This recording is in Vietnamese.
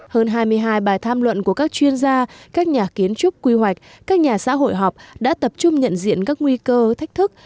hơn hai mươi hai bài tham luận của các chuyên gia các nhà kiến trúc quy hoạch các nhà xã hội họp đã tập trung nhận diện các nguy cơ thách thức